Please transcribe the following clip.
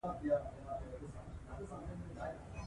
بامیان په افغانستان کې د چاپېریال د تغیر یوه مهمه نښه ده.